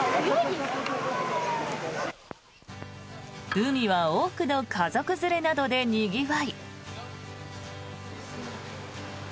海は多くの家族連れなどでにぎわい。